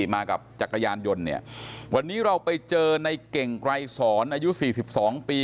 มากับจักรยานยนต์เนี่ยวันนี้เราไปเจอในเก่งไกรสอนอายุ๔๒ปี